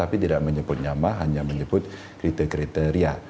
tapi tidak menyebut nyama hanya menyebut kriteri kriteria